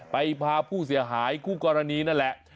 พาผู้เสียหายคู่กรณีนั่นแหละ